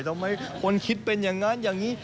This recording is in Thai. ทำไมคนคิดเป็นอย่างนั้นอย่างนี้